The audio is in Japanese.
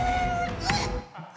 うっ。